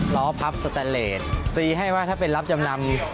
ล้อพับสแตนเลสฟรีให้ว่าถ้าเป็นรับจำนำ